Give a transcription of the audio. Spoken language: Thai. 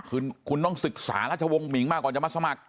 คือคุณต้องศึกษาราชวงศ์หมิงมาก่อนจะมาสมัคร